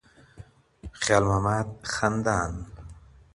خيال محمد خندان